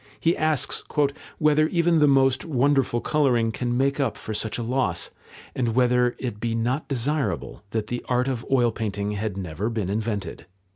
He asks "whether even the most wonderful colouring can make up for such a loss, and whether it be not desirable that the art of oil painting had never been invented."